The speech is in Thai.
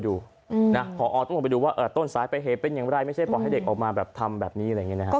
แต่ผมว่าผู้ใหญ่ต้องมาเอาไปดู